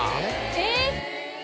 えっ？